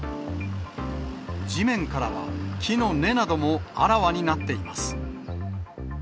地面からは、木の根などもあらわになっています。